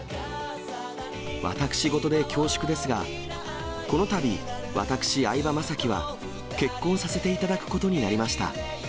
私事で恐縮ですが、このたび、私、相葉雅紀は、結婚させていただくことになりました。